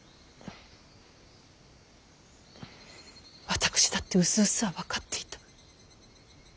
私だってうすうすは分かっていた。